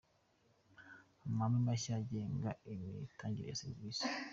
Amahame mashya agenga imitangire ya serivisi.